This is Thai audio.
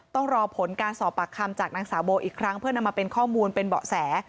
ต้องรอผลการสอบปากคำจากนางสาวโบอีกครั้งเพื่อนำมาเป็นข้อมูลเป็นเบาะแส